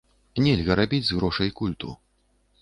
Нельга рабіць з грошай культу.